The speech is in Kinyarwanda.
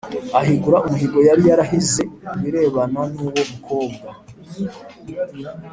Ahigura umuhigo yari yarahize ku birebana n’ uwo mukobwa